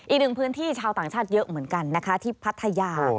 อีกหนึ่งพื้นที่ชาวต่างชาติเยอะเหมือนกันนะคะที่พัทยา